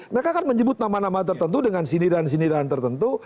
mereka kan menyebut nama nama tertentu dengan sindiran sindiran tertentu